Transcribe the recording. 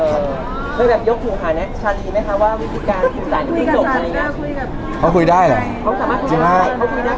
ครับเพื่อแบบยกถูกค่ะเนี้ยชันดีไหมคะว่าวิธีการสั่งยิ่งจบอะไรอย่างเงี้ย